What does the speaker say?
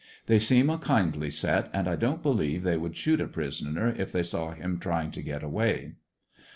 They seem a kindly set, and I don't belive they would shoot a prisoner if they saw him trying to get away.